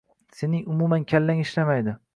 “Sening umuman kallang ishlamaydi”.